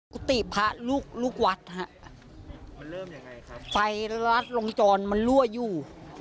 กุฏิพระลูกวัดไฟรัสลงจรมันรั่วอยู่